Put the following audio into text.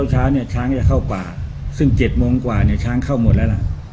เช้าเนี่ยช้างจะเข้าป่าซึ่ง๗โมงกว่าเนี่ยช้างเข้าหมดแล้วล่ะ